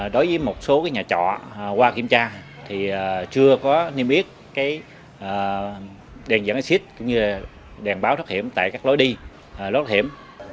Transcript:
đối với một số nhà trọ qua kiểm tra thì chưa có niêm yết đèn dẫn xích cũng như đèn báo thất hiểm tại các lối đi lối thất hiểm